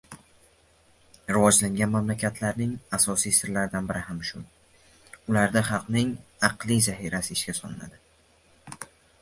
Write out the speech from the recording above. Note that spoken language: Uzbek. Rivojlangan mamlakatlarning asosiy sirlaridan biri ham shu – ularda xalqning aqliy zahirasi ishga solinadi.